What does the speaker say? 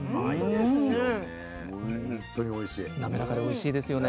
滑らかでおいしいですよね。